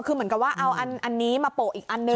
คือเหมือนกับว่าเอาอันนี้มาโปะอีกอันนึง